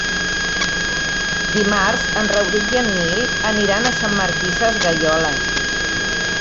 Dimarts en Rauric i en Nil aniran a Sant Martí Sesgueioles.